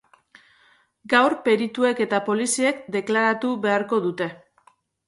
Gaur, perituek eta poliziek deklaratu beharko dute.